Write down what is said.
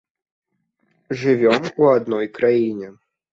Жывём у адной краіне.